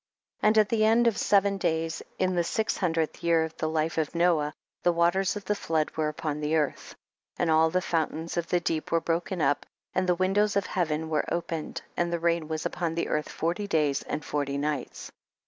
13. And at the end of seven days, in the six hundredth year of the life of Noah, the waters of the flood were upon the earth. 14. And all the fountains of the deep were broken up, and the win dows of heaven were opened, and the rain was upon the earth forty da5'S and forty nights.